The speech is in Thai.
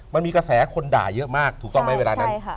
มันมีกระแสคนด่าเยอะมากถูกต้องไหมเวลานั้น